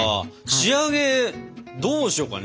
仕上げどうしようかね？